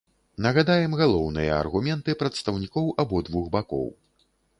Нагадаем галоўныя аргументы прадстаўнікоў абодвух бакоў.